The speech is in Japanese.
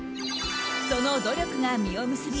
その努力が実を結び